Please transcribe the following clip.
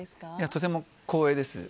とても光栄です。